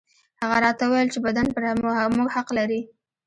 هغه راته وويل چې بدن پر موږ حق لري.